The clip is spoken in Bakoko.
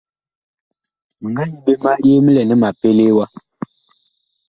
Mi nga yi ɓe ma yee mi lɛ nɛ ma pelee wa.